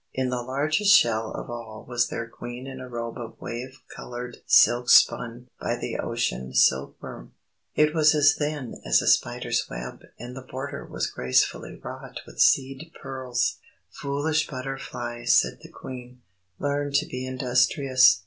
In the largest shell of all was their Queen in a robe of wave coloured silk spun by the Ocean silkworm. It was as thin as a spider's web, and the border was gracefully wrought with seed pearls. "Foolish Butterfly," said the Queen, "learn to be industrious.